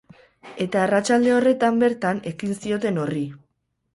Eta arratsalde horretan bertan ekin zioten horri.